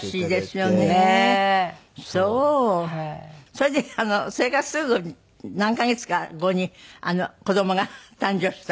それでそれからすぐ何カ月か後に子どもが誕生した？